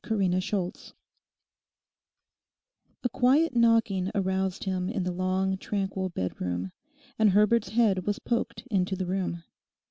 CHAPTER EIGHTEEN A quiet knocking aroused him in the long, tranquil bedroom; and Herbert's head was poked into the room.